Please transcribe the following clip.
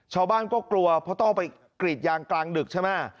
ชาวบ้านก็กลัวเพราะต้องไปกรีดยางกลางดึกใช่ไหม